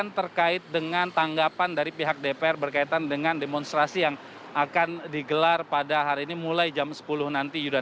yang terkait dengan tanggapan dari pihak dpr berkaitan dengan demonstrasi yang akan digelar pada hari ini mulai jam sepuluh nanti yudha